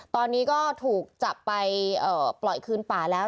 ตอนนี้ก็ถูกจับไปปล่อยคืนป่าแล้ว